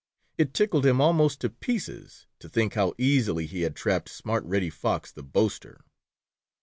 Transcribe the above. It tickled him almost to pieces to think how easily he had trapped smart Reddy Fox, the boaster.